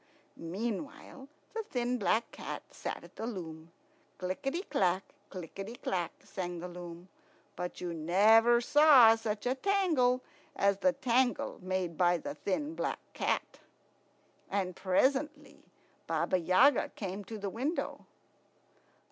Meanwhile the thin black cat sat at the loom. Clickety clack, clickety clack, sang the loom; but you never saw such a tangle as the tangle made by the thin black cat. And presently Baba Yaga came to the window.